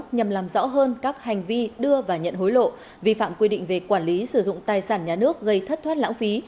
nhằm làm rõ hơn các hành vi đưa và nhận hối lộ vi phạm quy định về quản lý sử dụng tài sản nhà nước gây thất thoát lãng phí